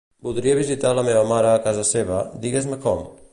Voldria visitar a la mare a casa seva, digues-me com?